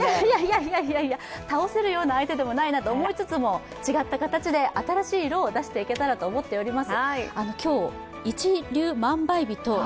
いやいやいや、倒せるような相手ではないなと思いつつも違った形で新しい色を出していけたらと思っております。